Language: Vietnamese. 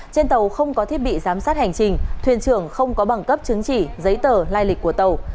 trên tàu không có thiết bị giám sát hành trình thuyền trưởng không có bằng cấp chứng chỉ giấy tờ lai lịch của tàu